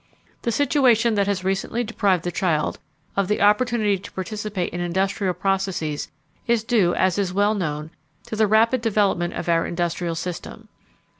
The situation that has recently deprived the child of the opportunity to participate in industrial processes is due, as is well known, to the rapid development of our industrial system.